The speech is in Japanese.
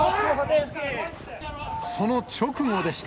その直後でした。